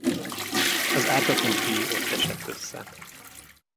Az ártatlan fiú ott esett össze.